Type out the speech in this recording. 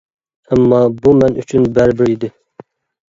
ئەمما، بۇ مەن ئۈچۈن بەرىبىر ئىدى.